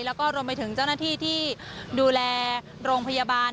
แล้วก็รวมไปถึงเจ้าหน้าที่ที่ดูแลโรงพยาบาล